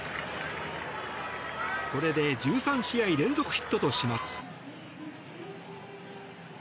これで１３試合連続ヒットとします。